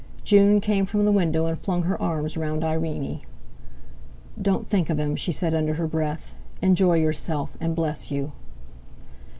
June came from the window and flung her arms round Irene. "Don't think of him," she said under her breath; "enjoy yourself, and bless you!"